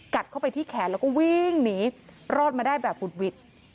เข้าไปที่แขนแล้วก็วิ่งหนีรอดมาได้แบบบุดหวิด